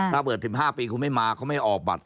ถ้าเปิด๑๕ปีคุณไม่มาคุณไม่ออกบัตร